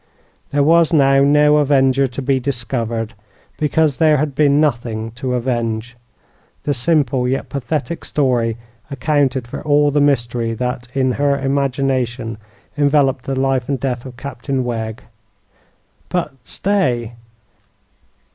There was now no avenger to be discovered, because there had been nothing to avenge. The simple yet pathetic story accounted for all the mystery that, in her imagination, enveloped the life and death of Captain Wegg. But stay!